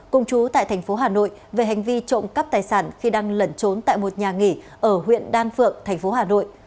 cùng chú tại thành phố hà nội về hành vi trộm cắp tài sản khi đang lẩn trốn tại một nhà nghỉ ở huyện đan phượng thành phố hà nội